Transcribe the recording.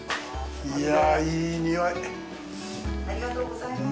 ありがとうございます。